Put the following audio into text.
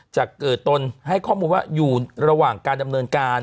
จะเกิดตนให้ข้อมูลว่าอยู่ระหว่างการดำเนินการ